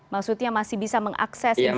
maksudnya masih bisa mengakses ini